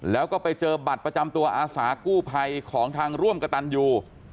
แล้วก็ไปเจอบัตรประจำตัวอาสากู้ภัยของทางร่วมกระตันยู